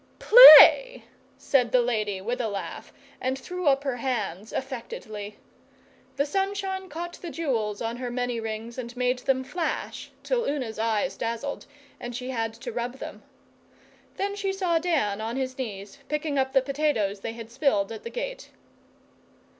'Play!' said the lady with a laugh, and threw up her hands affectedly. The sunshine caught the jewels on her many rings and made them flash till Una's eyes dazzled, and she had to rub them. Then she saw Dan on his knees picking up the potatoes they had spilled at the gate.